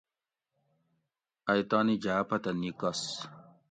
ائ تانی جاۤ پتہ نیکس